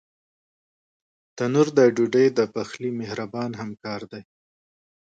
تنور د ډوډۍ د پخلي مهربان همکار دی